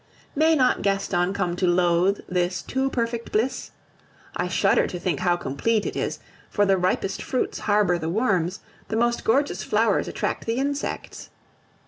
May not Gaston come to loathe this too perfect bliss? I shudder to think how complete it is, for the ripest fruits harbor the worms, the most gorgeous flowers attract the insects.